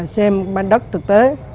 xem bán đất thực tế